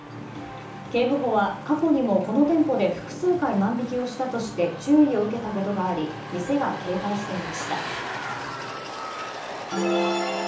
警部補は過去にもこの店舗で複数回万引きをしたとして注意を受けたことがあり店が警戒していました。